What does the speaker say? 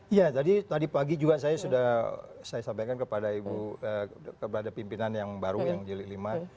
iya tadi pagi juga saya sudah saya sampaikan kepada ibu kepada pimpinan yang baru yang jelik v